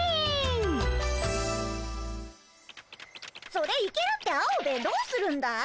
それいけるってアオベエどうするんだい？